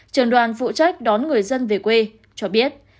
trường đoàn phụ trách đón người dân về quê cho biết